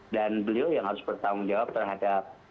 dan beliau yang harus bertanggung jawab terhadap